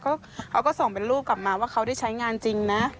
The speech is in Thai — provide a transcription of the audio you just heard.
เขาก็ส่งเป็นลูกกลับมาว่าเขาได้ใช้งานจริงนะ